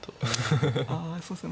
あそうですね